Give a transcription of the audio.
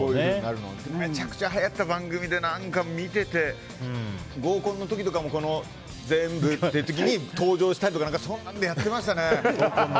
めちゃくちゃはやった番組で何か、見てて合コンの時とかも「全部」って登場したりとかそういうのをやっていましたね。